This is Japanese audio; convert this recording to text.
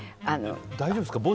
大丈夫ですか？